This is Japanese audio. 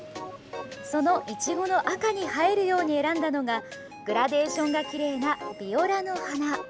そのいちごの赤に映えるように選んだのがグラデーションがきれいなビオラの花。